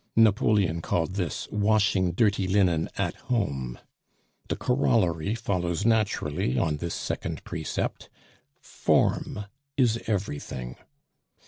Napoleon called this 'washing dirty linen at home.' The corollary follows naturally on this second precept Form is everything.